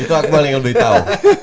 itu akmal yang lebih tahu